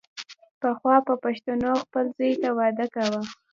پخوا به پښتنو خپل زوی ته واده کاوو.